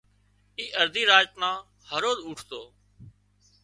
اي ارڌي راچ نا هروز اُوٺتو